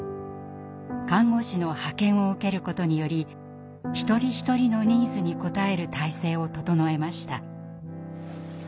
看護師の派遣を受けることにより一人一人のニーズに応える体制を整えました。